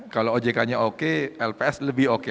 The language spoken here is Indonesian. kalau ojk nya oke lps lebih oke